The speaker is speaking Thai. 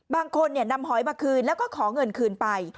บางคนนำหอยมาคืนแล้วก็ขอเงินคืนไป